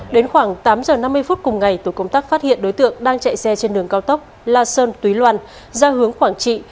đến khoảng tám giờ năm mươi phút cùng ngày tổ công tác phát hiện đối tượng đang chạy xe trên đường cao tốc la sơn túy loan ra hướng quảng trị